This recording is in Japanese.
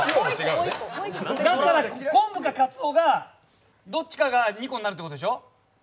だったら、こんぶかかつおが、どっちかが２個になるってことでしょ。